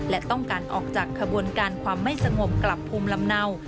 และต้องการออกจากขบวนการความไม่สงบกลับภูมิลำเนา